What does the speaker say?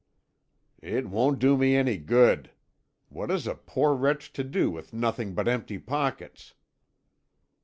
"It won't do me any good. What is a poor wretch to do with nothing but empty pockets?"